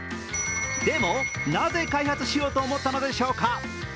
でも、なぜ開発しようと思ったのでしょうか。